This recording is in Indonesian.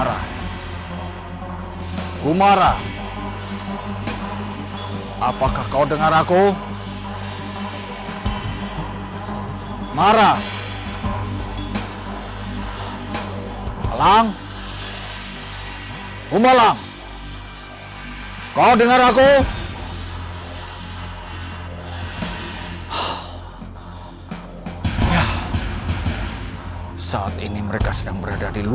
aku harus menghubungi inja yang lain